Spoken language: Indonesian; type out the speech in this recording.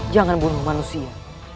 jangan bunuh manusia